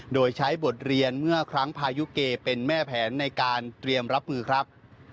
โดยใช้บทเรียนเมื่อครั้งพายุเกเป็นแม่แผนในการเตรียมรับมือครับ